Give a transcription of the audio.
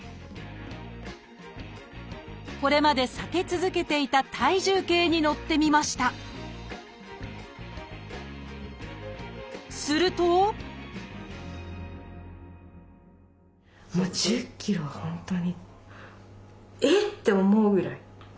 これまで避け続けていた体重計に乗ってみましたするとえっ！？と思うぐらい。